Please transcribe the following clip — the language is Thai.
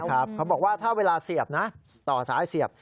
เขาบอกว่าถ้าเวลาเสียบนะต่อซ้ายเสียบ